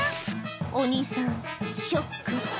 お兄さん、ショック。